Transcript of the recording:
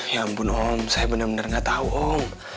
ya ampun om saya bener bener gak tau om